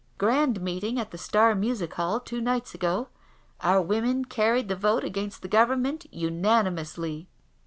Grand meeting at the Star Music Hall two nights ago. Our women carried vote against the Government unanimously.